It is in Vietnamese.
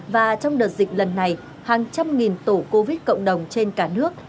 và trong đợt dịch lần này hàng trăm nghìn tổ covid cộng đồng trên cả nước